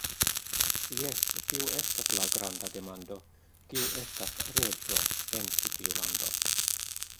Jes, tiu estas la granda demando: Kiu estas reĝo en ĉi tiu lando?